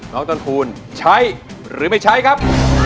ต้นคูณใช้หรือไม่ใช้ครับ